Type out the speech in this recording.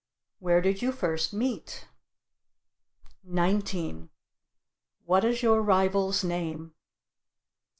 Where did you first meet? 19. What is your rival's name?